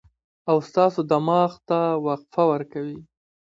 او ستاسو دماغ ته وقفه ورکوي